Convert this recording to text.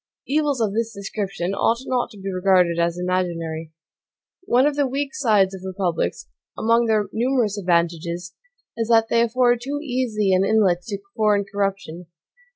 Evils of this description ought not to be regarded as imaginary. One of the weak sides of republics, among their numerous advantages, is that they afford too easy an inlet to foreign corruption.